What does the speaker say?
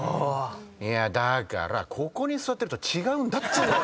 いやだからここに座ってると違うんだっつうの！